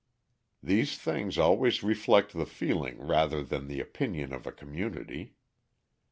These things always reflect the feeling rather than the opinion of a community.